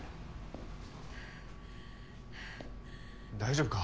大丈夫か？